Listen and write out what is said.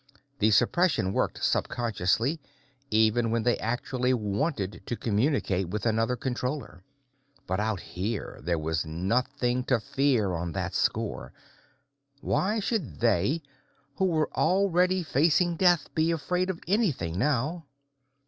The suppression worked subconsciously, even when they actually wanted to communicate with another Controller. But out here, there was nothing to fear on that score. Why should they, who were already facing death, be afraid of anything now?